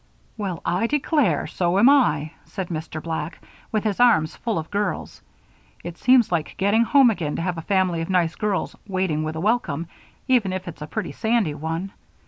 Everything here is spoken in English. "Well, I declare! So am I," said Mr. Black, with his arms full of girls. "It seems like getting home again to have a family of nice girls waiting with a welcome, even if it's a pretty sandy one.